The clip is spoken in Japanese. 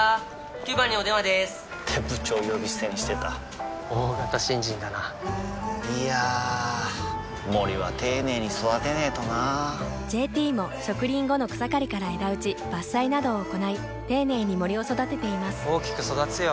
９番にお電話でーす！って部長呼び捨てにしてた大型新人だないやー森は丁寧に育てないとな「ＪＴ」も植林後の草刈りから枝打ち伐採などを行い丁寧に森を育てています大きく育つよ